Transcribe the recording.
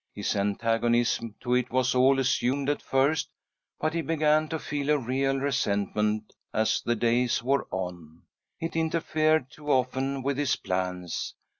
His antagonism to it was all assumed at first, but he began to feel a real resentment as the days wore on. It interfered too often with his plans.